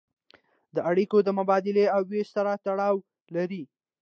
دا اړیکې د مبادلې او ویش سره تړاو لري.